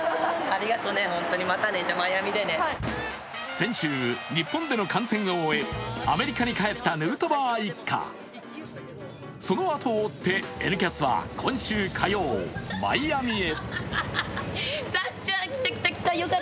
先週、日本での観戦を終えアメリカに帰ったヌートバー一家、そのあとを追って「Ｎキャス」は今週火曜、マイアミへ。